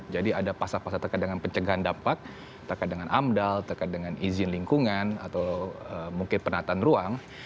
jadi ada pasal pasal terkait dengan pencegahan dampak terkait dengan amdal terkait dengan izin lingkungan atau mungkin penataan ruang